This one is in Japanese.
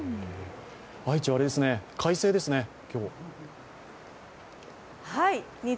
愛知は快晴ですね、今日。